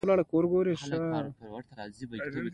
ګل صنمې، زه به هیڅکله تا یوازې پرېنږدم.